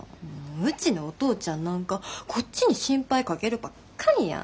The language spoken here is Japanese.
うちのお父ちゃんなんかこっちに心配かけるばっかりや。